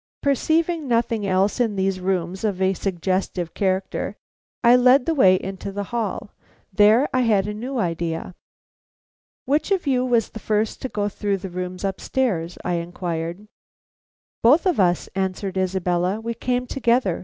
Perceiving nothing else in these rooms of a suggestive character, I led the way into the hall. There I had a new idea. "Which of you was the first to go through the rooms upstairs?" I inquired. "Both of us," answered Isabella. "We came together.